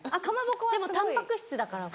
でもたんぱく質だから。